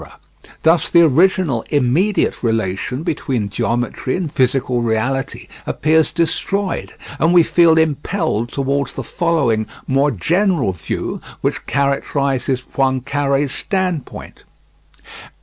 Thus the original, immediate relation between geometry and physical reality appears destroyed, and we feel impelled toward the following more general view, which characterizes Poincare's standpoint.